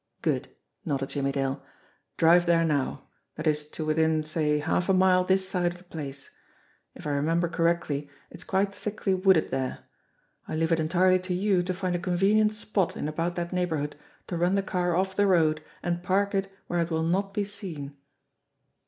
"Good !" nodded Jimmie Dale. "Drive there now that is to within, say, half a mile this side of the place. If I re member correctly, it's quite thickly wooded there. I leave it entirely to you to find a convenient spot in about that neigh bourhood to run the car off the road and park it where it will not be seen."